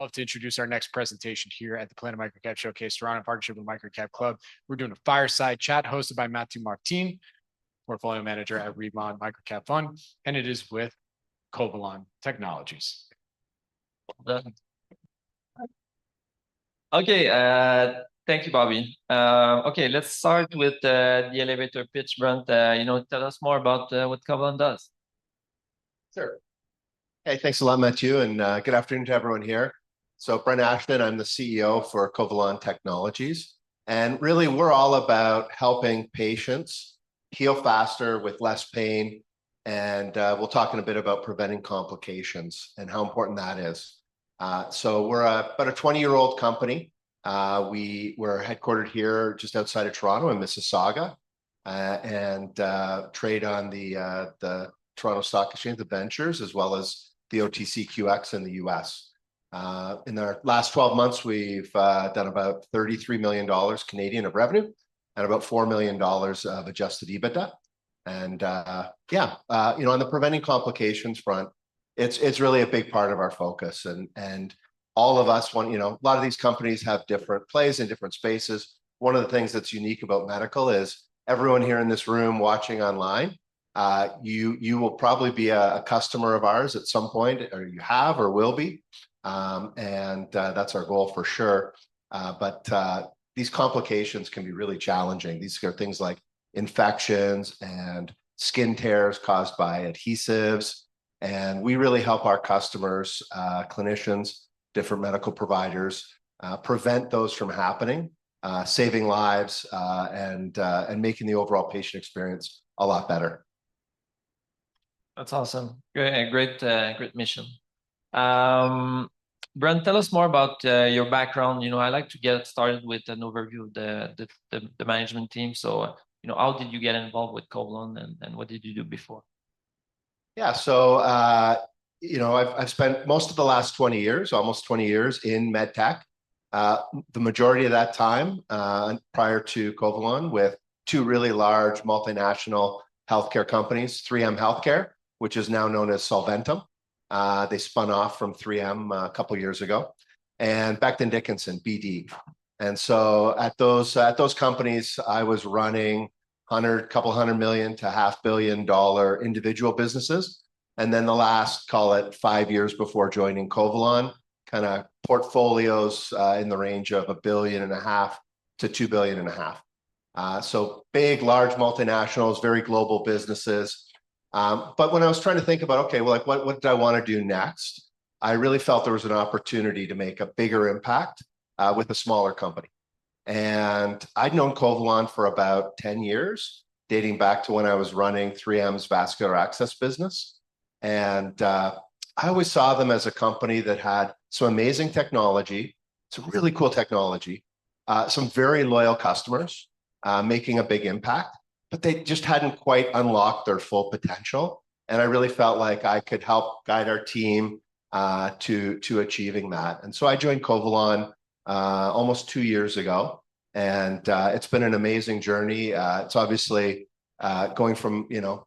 Love to introduce our next presentation here at the Planet MicroCap Showcase Zone in partnership with MicroCapClub. We're doing a fireside chat hosted by Mathieu Martin, Portfolio Manager at Rivemont MicroCap Fund, and it is with Covalon Technologies. Okay, thank you, Bobby. Okay, let's start with the elevator pitch, Brent. You know, tell us more about what Covalon does. Sure. Hey, thanks a lot, Mathieu, and good afternoon to everyone here. So, Brent Ashton, I'm the CEO for Covalon Technologies, and really we're all about helping patients heal faster with less pain, and we'll talk in a bit about preventing complications and how important that is. So, we're about a 20-year-old company. We're headquartered here just outside of Toronto in Mississauga, and trade on the TSX Venture Exchange as well as the OTCQX in the U.S. In our last 12 months, we've done about 33 million Canadian dollars of revenue and about 4 million dollars of Adjusted EBITDA. And yeah, you know, on the preventing complications front, it's really a big part of our focus, and all of us want, you know, a lot of these companies have different plays in different spaces. One of the things that's unique about medical is everyone here in this room watching online, you will probably be a customer of ours at some point, or you have or will be, and that's our goal for sure. But these complications can be really challenging. These are things like infections and skin tears caused by adhesives, and we really help our customers, clinicians, different medical providers prevent those from happening, saving lives and making the overall patient experience a lot better. That's awesome. Great, great mission. Brent, tell us more about your background. You know, I like to get started with an overview of the management team. So, you know, how did you get involved with Covalon and what did you do before? Yeah, so, you know, I've spent most of the last 20 years, almost 20 years in med tech. The majority of that time prior to Covalon with two really large multinational healthcare companies, 3M Healthcare, which is now known as Solventum. They spun off from 3M a couple of years ago, and Becton Dickinson, BD. And so, at those companies, I was running $200 million to $500 million individual businesses, and then the last, call it five years before joining Covalon, kind of portfolios in the range of $1.5 billion to $2.5 billion. So, big, large multinationals, very global businesses. But when I was trying to think about, okay, well, like what do I want to do next? I really felt there was an opportunity to make a bigger impact with a smaller company. I'd known Covalon for about 10 years, dating back to when I was running 3M's vascular access business. I always saw them as a company that had some amazing technology, some really cool technology, some very loyal customers making a big impact, but they just hadn't quite unlocked their full potential. I really felt like I could help guide our team to achieving that. So, I joined Covalon almost two years ago, and it's been an amazing journey. It's obviously going from, you know,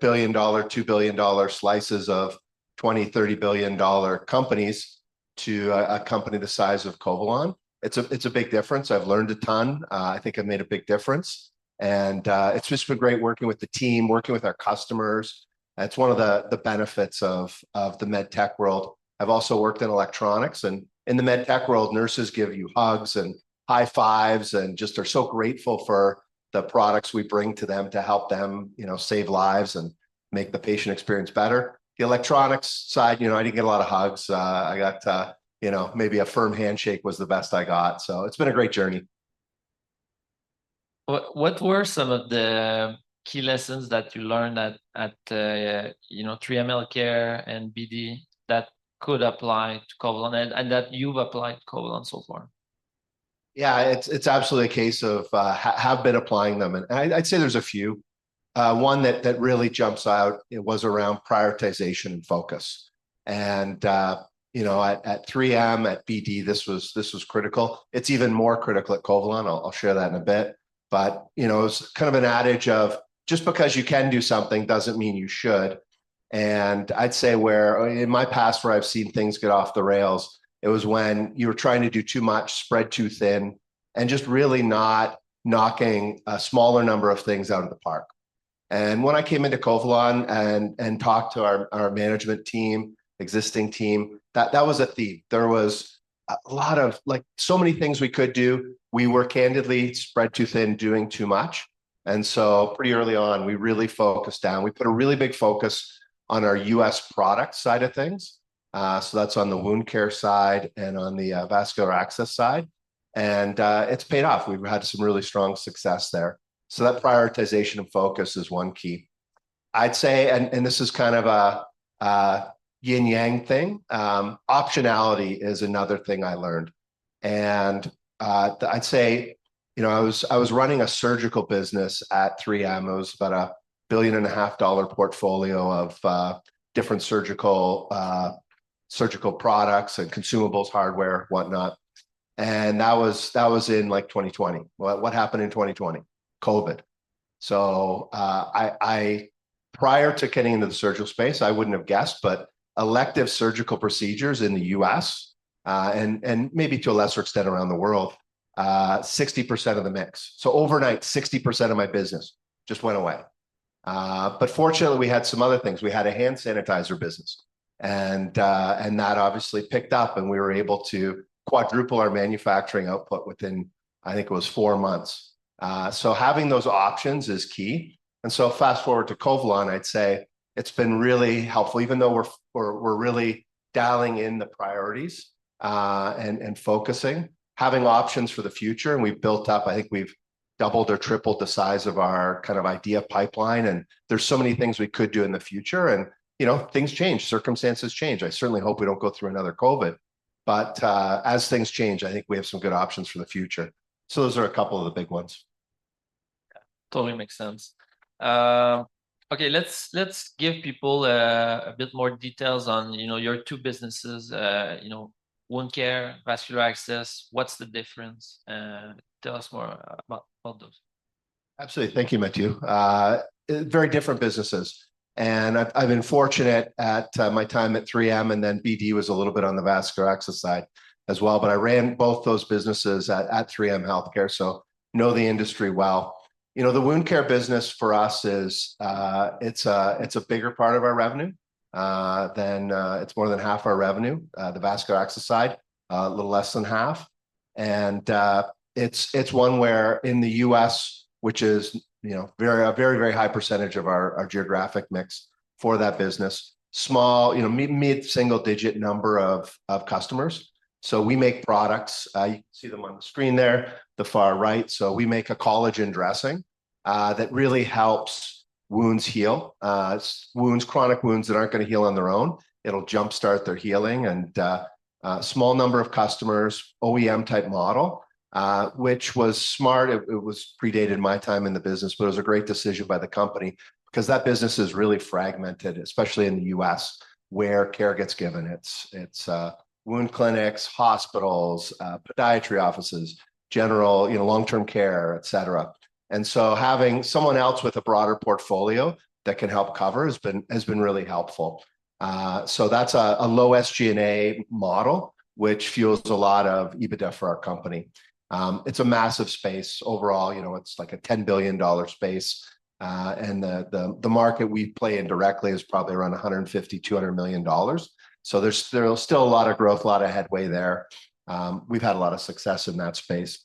billion dollar, two billion dollar slices of 20, 30 billion dollar companies to a company the size of Covalon. It's a big difference. I've learned a ton. I think I've made a big difference, and it's just been great working with the team, working with our customers. It's one of the benefits of the med tech world. I've also worked in electronics, and in the medtech world, nurses give you hugs and high fives and just are so grateful for the products we bring to them to help them, you know, save lives and make the patient experience better. The electronics side, you know, I didn't get a lot of hugs. I got, you know, maybe a firm handshake was the best I got. So, it's been a great journey. What were some of the key lessons that you learned at, you know, 3M Healthcare and BD that could apply to Covalon and that you've applied to Covalon so far? Yeah, it's absolutely a case of having been applying them, and I'd say there's a few. One that really jumps out was around prioritization and focus. And, you know, at 3M, at BD, this was critical. It's even more critical at Covalon. I'll share that in a bit. But, you know, it was kind of an adage of just because you can do something doesn't mean you should. And I'd say where in my past I've seen things get off the rails, it was when you were trying to do too much, spread too thin, and just really not knocking a smaller number of things out of the park. And when I came into Covalon and talked to our management team, existing team, that was a theme. There was a lot of, like, so many things we could do. We were candidly spread too thin doing too much. Pretty early on, we really focused down. We put a really big focus on our U.S. product side of things. That's on the wound care side and on the vascular access side. It's paid off. We've had some really strong success there. That prioritization of focus is one key. I'd say, and this is kind of a yin yang thing, optionality is another thing I learned. I'd say, you know, I was running a surgical business at 3M. It was about a $1.5 billion portfolio of different surgical products and consumables, hardware, whatnot. That was in like 2020. What happened in 2020? COVID. Prior to getting into the surgical space, I wouldn't have guessed, but elective surgical procedures in the U.S., and maybe to a lesser extent around the world, 60% of the mix. Overnight, 60% of my business just went away. But fortunately, we had some other things. We had a hand sanitizer business, and that obviously picked up, and we were able to quadruple our manufacturing output within, I think it was four months. So, having those options is key. And so, fast forward to Covalon, I'd say it's been really helpful, even though we're really dialing in the priorities and focusing, having options for the future. And we've built up, I think we've doubled or tripled the size of our kind of idea pipeline, and there's so many things we could do in the future. And, you know, things change, circumstances change. I certainly hope we don't go through another COVID. But as things change, I think we have some good options for the future. So, those are a couple of the big ones. Totally makes sense. Okay, let's give people a bit more details on, you know, your two businesses, you know, wound care, vascular access. What's the difference? Tell us more about those. Absolutely. Thank you, Mathieu Very different businesses, and I've been fortunate at my time at 3M, and then BD was a little bit on the vascular access side as well, but I ran both those businesses at 3M Healthcare, so know the industry well. You know, the wound care business for us is, it's a bigger part of our revenue than it's more than half our revenue, the vascular access side, a little less than half, and it's one where in the U.S., which is, you know, a very, very high percentage of our geographic mix for that business, small, you know, mid-single digit number of customers, so we make products. You can see them on the screen there, the far right, so we make a collagen dressing that really helps wounds heal. Wounds, chronic wounds that aren't going to heal on their own. It'll jumpstart their healing. Small number of customers, OEM type model, which was smart. It was predated my time in the business, but it was a great decision by the company because that business is really fragmented, especially in the U.S. where care gets given. It's wound clinics, hospitals, podiatry offices, general, you know, long-term care, et cetera. Having someone else with a broader portfolio that can help cover has been really helpful. That's a low SG&A model, which fuels a lot of EBITDA for our company. It's a massive space overall. You know, it's like a $10 billion space. The market we play in directly is probably around $150 to $200 million. There's still a lot of growth, a lot of headway there. We've had a lot of success in that space.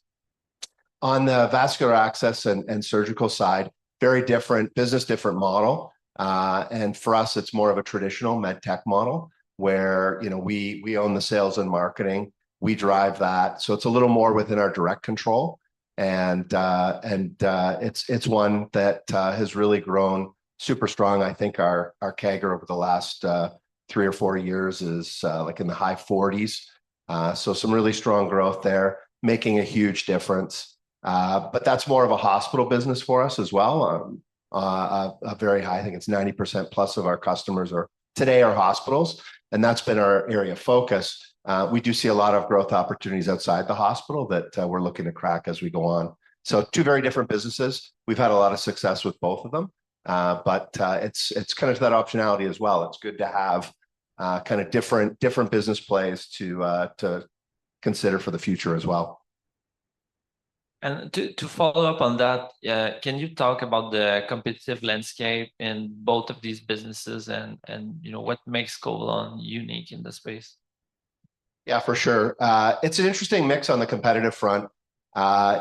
On the vascular access and surgical side, very different business, different model. And for us, it's more of a traditional med tech model where, you know, we own the sales and marketing. We drive that. So, it's a little more within our direct control. And it's one that has really grown super strong. I think our CAGR over the last three or four years is like in the high 40s. So, some really strong growth there, making a huge difference. But that's more of a hospital business for us as well. A very high, I think it's 90% plus of our customers are today our hospitals, and that's been our area of focus. We do see a lot of growth opportunities outside the hospital that we're looking to crack as we go on. So, two very different businesses. We've had a lot of success with both of them, but it's kind of that optionality as well. It's good to have kind of different business plays to consider for the future as well. And to follow up on that, can you talk about the competitive landscape in both of these businesses and, you know, what makes Covalon unique in the space? Yeah, for sure. It's an interesting mix on the competitive front.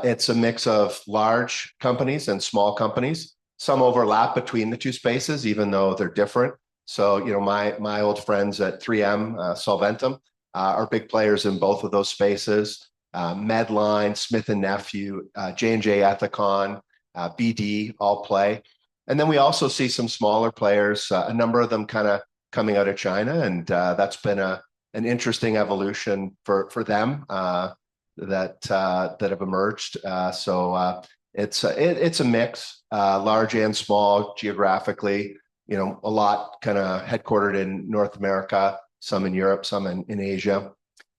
It's a mix of large companies and small companies. Some overlap between the two spaces, even though they're different. So, you know, my old friends at 3M, Solventum, are big players in both of those spaces. Medline, Smith & Nephew, J&J Ethicon, BD, Allplay. And then we also see some smaller players, a number of them kind of coming out of China, and that's been an interesting evolution for them that have emerged. So, it's a mix, large and small geographically, you know, a lot kind of headquartered in North America, some in Europe, some in Asia.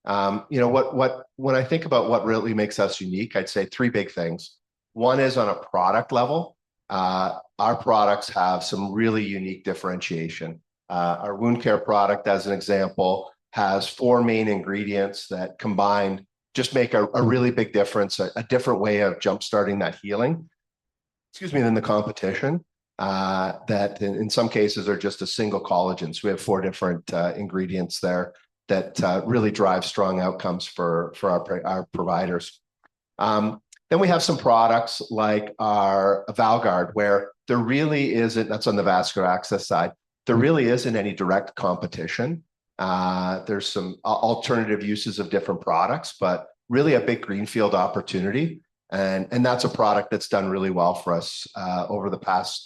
You know, when I think about what really makes us unique, I'd say three big things. One is on a product level. Our products have some really unique differentiation. Our wound care product, as an example, has four main ingredients that combined just make a really big difference, a different way of jumpstarting that healing. Excuse me, then the competition that in some cases are just a single collagen. So, we have four different ingredients there that really drive strong outcomes for our providers. Then we have some products like our ValGuard, where there really isn't, that's on the vascular access side, there really isn't any direct competition. There's some alternative uses of different products, but really a big greenfield opportunity. And that's a product that's done really well for us over the past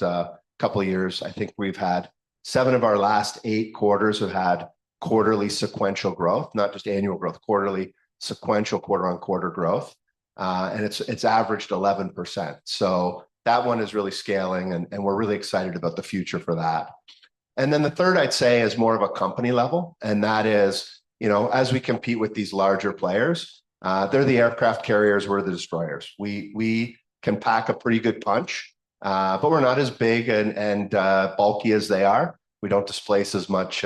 couple of years. I think we've had seven of our last eight quarters have had quarterly sequential growth, not just annual growth, quarterly sequential quarter on quarter growth. And it's averaged 11%. So, that one is really scaling, and we're really excited about the future for that. And then the third, I'd say, is more of a company level. And that is, you know, as we compete with these larger players, they're the aircraft carriers, we're the destroyers. We can pack a pretty good punch, but we're not as big and bulky as they are. We don't displace as much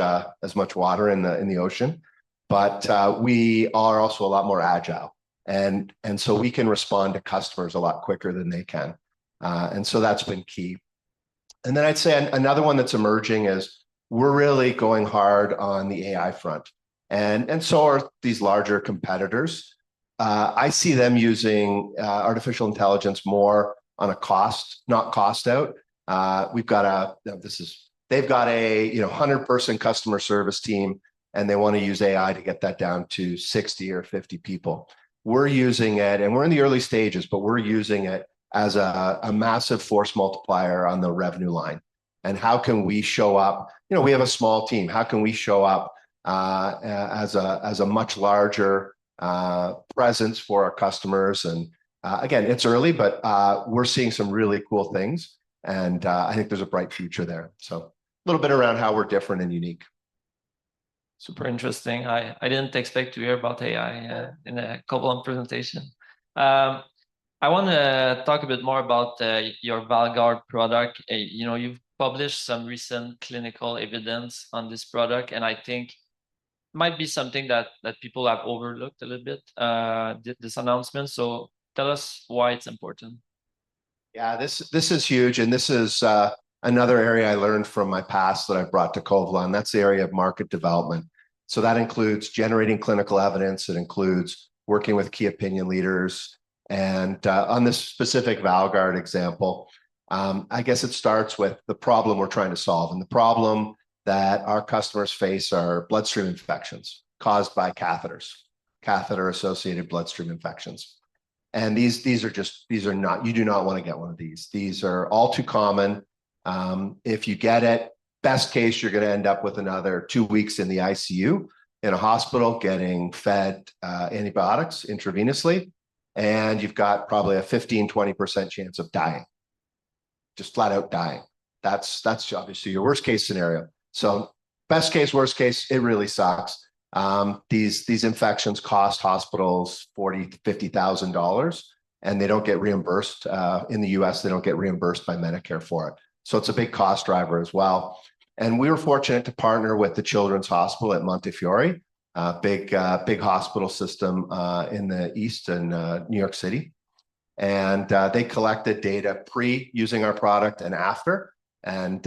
water in the ocean. But we are also a lot more agile. And so, we can respond to customers a lot quicker than they can. And so, that's been key. And then I'd say another one that's emerging is we're really going hard on the AI front. And so, or these larger competitors, I see them using artificial intelligence more on a cost, not cost out. They've got a, you know, 100-person customer service team, and they want to use AI to get that down to 60 or 50 people. We're using it, and we're in the early stages, but we're using it as a massive force multiplier on the revenue line. And how can we show up, you know, we have a small team. How can we show up as a much larger presence for our customers? And again, it's early, but we're seeing some really cool things. And I think there's a bright future there. So, a little bit around how we're different and unique. Super interesting. I didn't expect to hear about AI in a Covalon presentation. I want to talk a bit more about your ValGuard product. You know, you've published some recent clinical evidence on this product, and I think it might be something that people have overlooked a little bit, this announcement. So, tell us why it's important. Yeah, this is huge, and this is another area I learned from my past that I've brought to Covalon. That's the area of market development, so that includes generating clinical evidence. It includes working with key opinion leaders, and on this specific ValGuard example, I guess it starts with the problem we're trying to solve, and the problem that our customers face are bloodstream infections caused by catheters, catheter-associated bloodstream infections. And these are just, these are not, you do not want to get one of these. These are all too common. If you get it, best case, you're going to end up with another two weeks in the ICU in a hospital getting fed antibiotics intravenously, and you've got probably a 15% to 20% chance of dying, just flat out dying. That's obviously your worst-case scenario, so best case, worst case, it really sucks. These infections cost hospitals $40,000 to $50,000, and they don't get reimbursed. In the U.S., they don't get reimbursed by Medicare for it. So, it's a big cost driver as well. And we were fortunate to partner with The Children's Hospital at Montefiore, a big hospital system in the east in New York City. And they collected data pre using our product and after. And,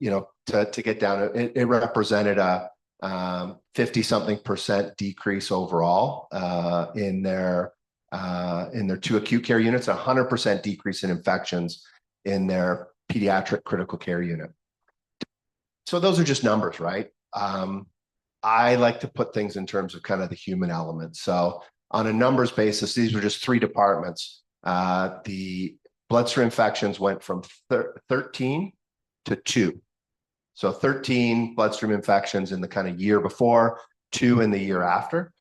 you know, to get down, it represented a 50-something% decrease overall in their two acute care units, a 100% decrease in infections in their pediatric critical care unit. So, those are just numbers, right? I like to put things in terms of kind of the human element. So, on a numbers basis, these were just three departments. The bloodstream infections went from 13 to two. So, 13 bloodstream infections in the kind of year before, two in the year after.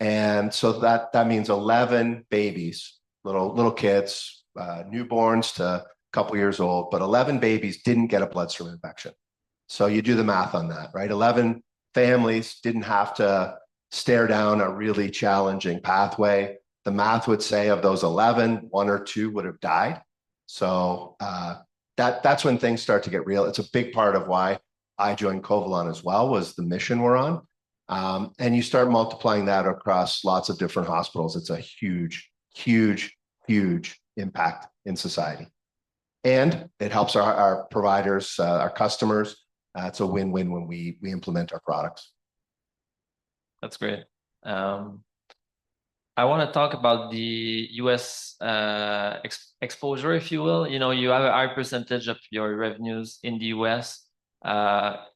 And so, that means 11 babies, little kids, newborns to a couple of years old, but 11 babies didn't get a bloodstream infection. So, you do the math on that, right? 11 families didn't have to stare down a really challenging pathway. The math would say of those 11, one or two would have died. So, that's when things start to get real. It's a big part of why I joined Covalon as well was the mission we're on. And you start multiplying that across lots of different hospitals. It's a huge, huge, huge impact in society. And it helps our providers, our customers. It's a win-win when we implement our products. That's great. I want to talk about the U.S. exposure, if you will. You know, you have a high percentage of your revenues in the U.S.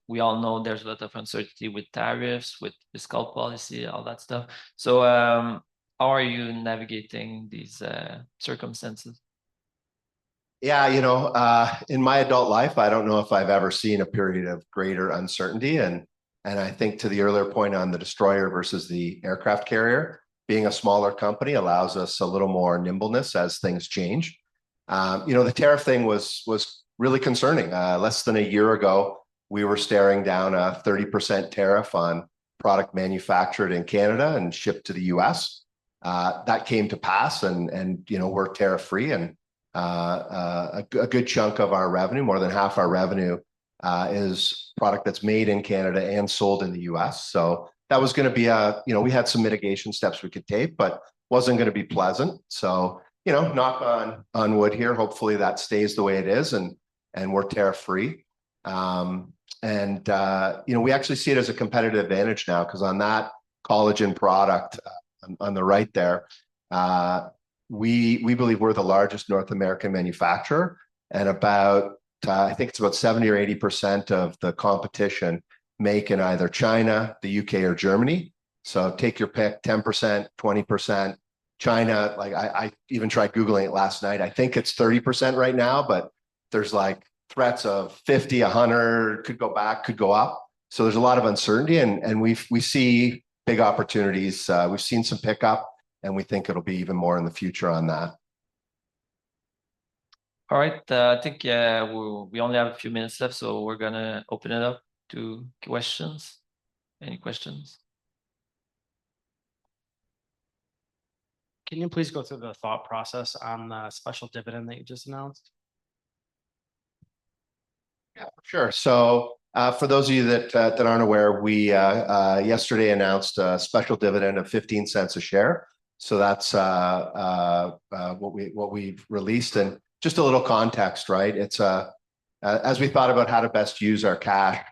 We all know there's a lot of uncertainty with tariffs, with fiscal policy, all that stuff. So, how are you navigating these circumstances? Yeah, you know, in my adult life, I don't know if I've ever seen a period of greater uncertainty. And I think to the earlier point on the destroyer versus the aircraft carrier, being a smaller company allows us a little more nimbleness as things change. You know, the tariff thing was really concerning. Less than a year ago, we were staring down a 30% tariff on product manufactured in Canada and shipped to the U.S. That came to pass and, you know, we're tariff-free and a good chunk of our revenue, more than half our revenue is product that's made in Canada and sold in the U.S. So, you know, knock on wood here. Hopefully, that stays the way it is and we're tariff-free. You know, we actually see it as a competitive advantage now because on that collagen product on the right there, we believe we're the largest North American manufacturer. About, I think it's about 70% or 80% of the competition make in either China, the U.K., or Germany. Take your pick, 10%, 20%. China, like I even tried Googling it last night. I think it's 30% right now, but there's like threats of 50%, 100%, could go back, could go up. There's a lot of uncertainty and we see big opportunities. We've seen some pickup and we think it'll be even more in the future on that. All right. I think we only have a few minutes left, so we're going to open it up to questions. Any questions? Can you please go through the thought process on the special dividend that you just announced? Yeah, sure. So, for those of you that aren't aware, we yesterday announced a special dividend of 0.15 a share. So, that's what we've released. And just a little context, right? As we thought about how to best use our cash,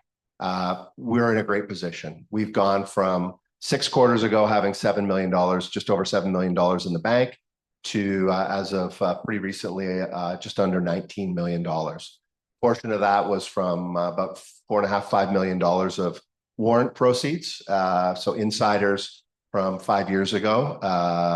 we're in a great position. We've gone from six quarters ago having 7 million dollars, just over 7 million dollars in the bank, to as of pretty recently, just under 19 million dollars. Portion of that was from about 4.5 million-5 million dollars of warrant proceeds. So, insiders from five years ago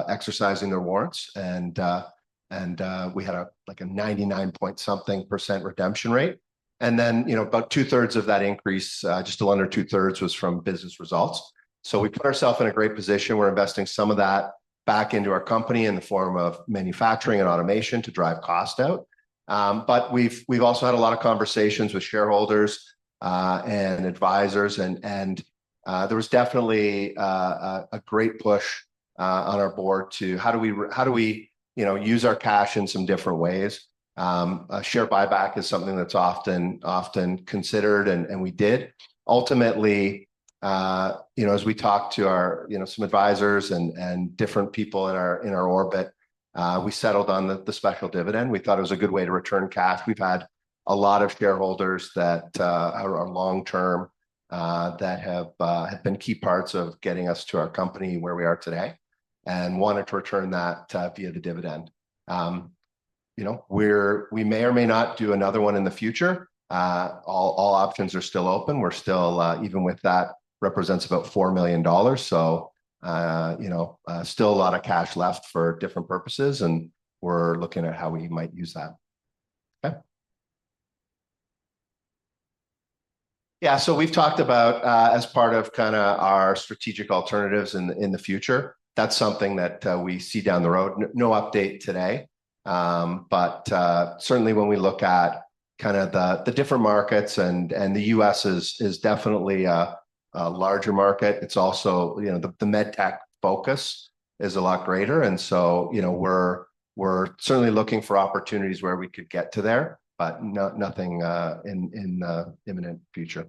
exercising their warrants. And we had like a 99-point-something% redemption rate. And then, you know, about two-thirds of that increase, just a little under two-thirds was from business results. So, we put ourselves in a great position. We're investing some of that back into our company in the form of manufacturing and automation to drive cost out, but we've also had a lot of conversations with shareholders and advisors, and there was definitely a great push on our board to how do we, you know, use our cash in some different ways. Share buyback is something that's often considered, and we did. Ultimately, you know, as we talked to our, you know, some advisors and different people in our orbit, we settled on the special dividend. We thought it was a good way to return cash. We've had a lot of shareholders that are long-term that have been key parts of getting us to our company where we are today and wanted to return that via the dividend. You know, we may or may not do another one in the future. All options are still open. We're still, even with that, represents about $4 million, so, you know, still a lot of cash left for different purposes, and we're looking at how we might use that. Okay. Yeah, so we've talked about as part of kind of our strategic alternatives in the future. That's something that we see down the road. No update today, but certainly when we look at kind of the different markets and the U.S. is definitely a larger market. It's also, you know, the med tech focus is a lot greater, and so, you know, we're certainly looking for opportunities where we could get to there, but nothing in the imminent future.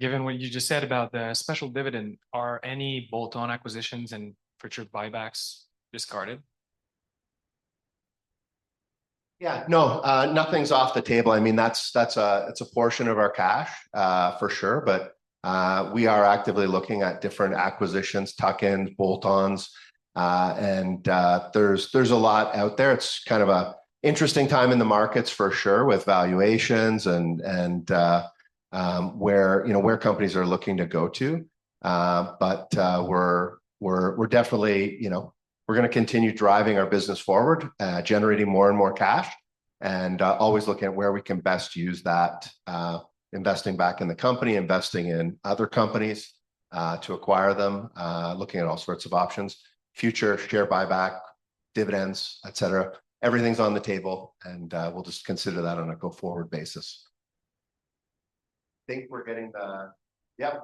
Given what you just said about the special dividend, are any bolt-on acquisitions and future buybacks discarded? Yeah, no, nothing's off the table. I mean, that's a portion of our cash for sure, but we are actively looking at different acquisitions, tuck-ins, bolt-ons, and there's a lot out there. It's kind of an interesting time in the markets for sure with valuations and where, you know, where companies are looking to go to. But we're definitely, you know, we're going to continue driving our business forward, generating more and more cash, and always looking at where we can best use that, investing back in the company, investing in other companies to acquire them, looking at all sorts of options, future share buyback, dividends, et cetera. Everything's on the table, and we'll just consider that on a go-forward basis. I think we're getting the yep,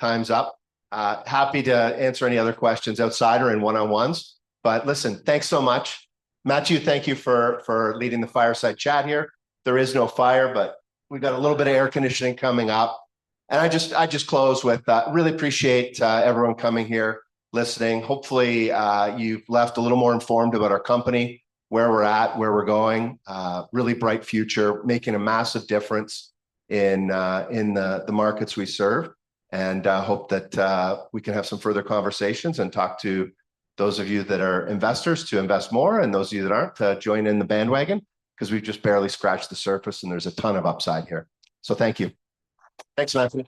time's up. Happy to answer any other questions outside or in one-on-ones. But listen, thanks so much. Mathieu, thank you for leading the fireside chat here. There is no fire, but we've got a little bit of air conditioning coming up. And I just close with, really appreciate everyone coming here, listening. Hopefully, you've left a little more informed about our company, where we're at, where we're going, really bright future, making a massive difference in the markets we serve. And hope that we can have some further conversations and talk to those of you that are investors to invest more and those of you that aren't to join in the bandwagon because we've just barely scratched the surface and there's a ton of upside here. So, thank you. Thanks, Mathieu.